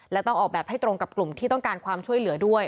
และต้องออกแบบให้ตรงกับกลุ่มที่ต้องการความช่วยเหลือด้วย